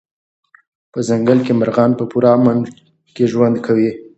په ځنګل کې مرغان په پوره امن کې ژوند کوي.